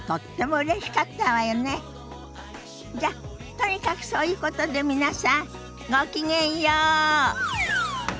じゃとにかくそういうことで皆さんごきげんよう。